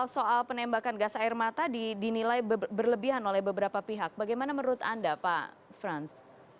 soal penembakan gas air mata dinilai berlebihan oleh beberapa pihak bagaimana menurut anda pak frans